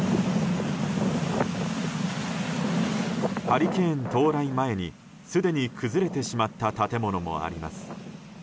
ハリケーン到来前にすでに崩れてしまった建物もあります。